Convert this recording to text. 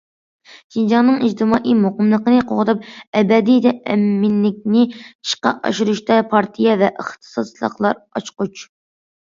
شىنجاڭنىڭ ئىجتىمائىي مۇقىملىقىنى قوغداپ، ئەبەدىي ئەمىنلىكىنى ئىشقا ئاشۇرۇشتا پارتىيە ۋە ئىختىساسلىقلار ئاچقۇچ.